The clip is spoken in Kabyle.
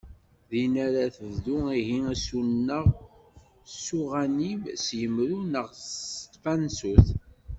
Din ara tebdu ihi asuneɣ s uɣanib, s yimru neɣ s tpansut.